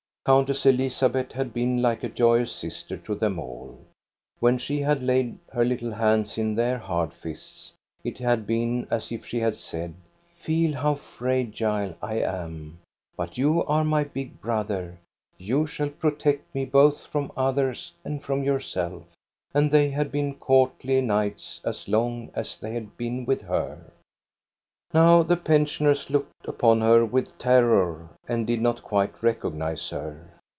Countess Elizabeth had been like a joyous sister to them all. When she had laid her little hands in their hard fists, it had been as if she had said :" Feel how fragile I am, but you are my big brother; you shall protect me both from others and from your "f." And they had been courtly knights as long they had been with her. 286 THE STORY OF GOSTA BERUNG Now the pensioners looked upon her with terror, and did not quite recognize her.